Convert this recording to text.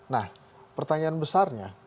nah pertanyaan besarnya